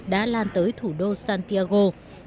đã lan tới thủ đô santiago